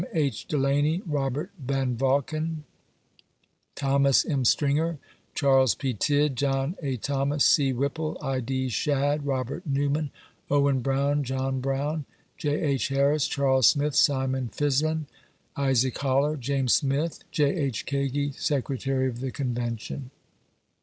H. Delany, Robert Vanvanken, Thomas M. Stringer, Charle* P. Tidd, John A. Thomas, C, Whipple, I, D, Sha/Jd, Robert Newman, Owen Brown, John Brown, J. II. Harris, . Charles Smith, Simon Fislin, Isaac Holler, J&me* Smith, J. IL Kagi, Secretary of the Convention.